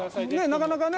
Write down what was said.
なかなかね